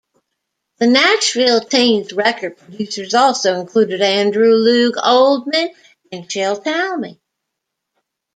The Nashville Teens' record producers also included Andrew Loog Oldham and Shel Talmy.